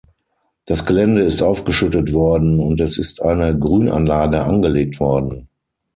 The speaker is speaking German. Das Gelände ist aufgeschüttet worden und es ist eine Grünanlage angelegt worden.